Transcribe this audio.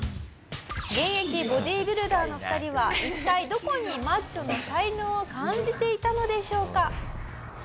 「現役ボディビルダーの２人は一体どこにマッチョの才能を感じていたのでしょうか？」